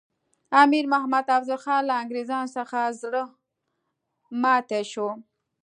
امیر محمد افضل خان له انګریزانو څخه زړه ماتي شو.